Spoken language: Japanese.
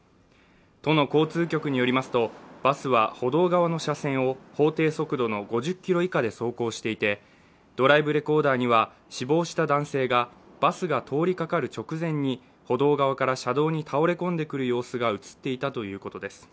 都の交通局によりますと、バスは歩道側の車線を法定速度の５０キロ以下で走行していて、ドライブレコーダーには、死亡した男性がバスが通りかかる直前に歩道側から車道に倒れ込んでくる様子が映っていたということです。